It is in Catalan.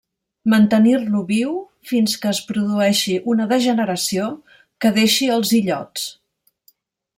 Mantenir-lo viu fins que es produeixi una degeneració que deixi els illots.